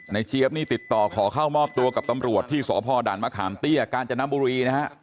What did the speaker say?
เจี๊ยบนี่ติดต่อขอเข้ามอบตัวกับตำรวจที่สพด่านมะขามเตี้ยกาญจนบุรีนะฮะ